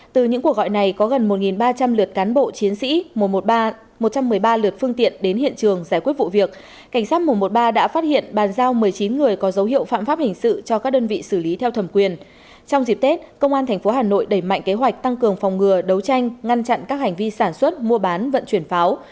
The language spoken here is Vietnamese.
trước dịp tết công an tp hà nội đẩy mạnh kế hoạch tăng cường phòng ngừa đấu tranh ngăn chặn các hành vi sản xuất mua bán vận chuyển pháo